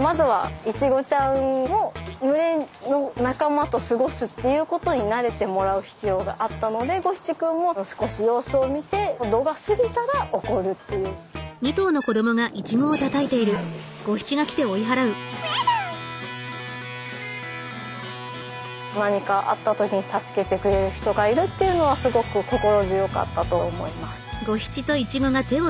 まずはイチゴちゃんを群れの仲間と過ごすっていうことに慣れてもらう必要があったので何かあった時に助けてくれる人がいるっていうのはすごく心強かったと思います。